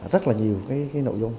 rất là nhiều nội dung